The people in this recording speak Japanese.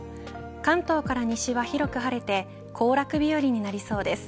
関東から西は広く晴れて行楽日和になりそうです。